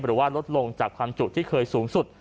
หรือว่าลดลงจากความจุที่เคยสูงสุด